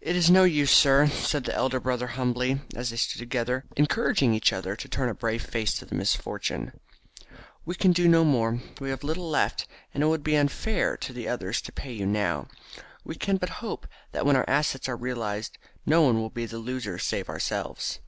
"It is no use, sir," said the elder brother humbly, as they stood together encouraging each other to turn a brave face to misfortune, "we can do no more. We have little left, and it would be unfair to the others to pay you now. We can but hope that when our assets are realised no one will be the loser save ourselves."